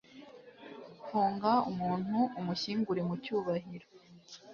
Funga umuntu umushyingure mu cyubahiro